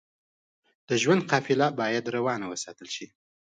د ژوند قافله بايد روانه وساتل شئ.